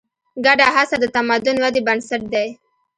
ګډه هڅه د تمدن ودې بنسټ دی.